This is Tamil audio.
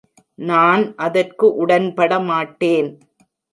நான் அதற்கு உடன்பட மாட்டேன்.